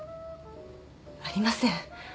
ありません